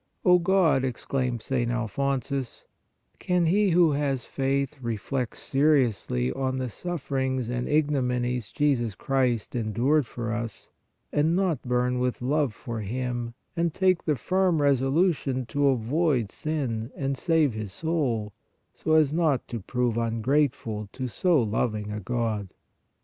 " O God," exclaims St. Alphonsus, " can he who has faith reflect seri ously on the sufferings and ignominies Jesus Christ endured for us, and not burn with love for Him and take the firm resolution to avoid sin and save his soul, so as not to prove ungrateful to so loving a God!"